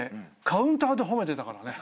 カウンターで褒めてたからね。